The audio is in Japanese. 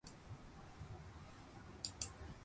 未来へ向かってこう僕は感じたの